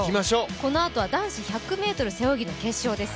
このあとは男子１００ｍ背泳ぎの決勝です。